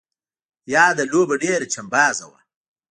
یاده لوبه ډېره چمبازه وه.